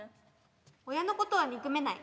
親のことは憎めない。